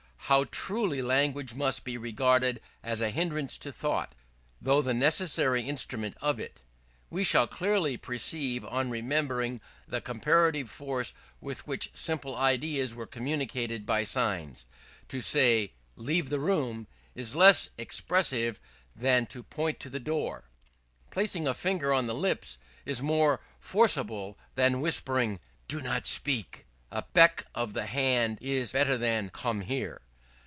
How truly language must be regarded as a hindrance to thought, though the necessary instrument of it, we shall clearly perceive on remembering the comparative force with which simple ideas are communicated by signs. To say, "Leave the room," is less expressive than to point to the door. Placing a finger on the lips is more forcible than whispering, "Do not speak." A beck of the hand is better than, "Come here."